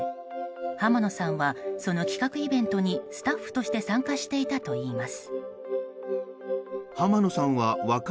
浜野さんは、その企画イベントにスタッフとして参加していたといいます。